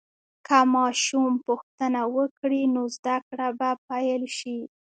که ماشوم پوښتنه وکړي، نو زده کړه به پیل شي.